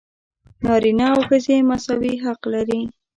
نارینه او ښځې مساوي حق لري.